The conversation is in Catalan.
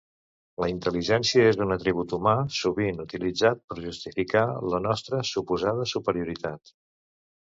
La intel·ligència és un atribut humà sovint utilitzat per justificar la nostra suposada superioritat.